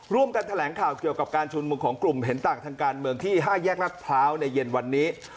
ร่วมกันแถลงข่าวเกี่ยวกับการชุมนุมของกลุ่มเห็นต่างทางการเมืองที่๕แยกรัฐพร้าวในเย็นวันนี้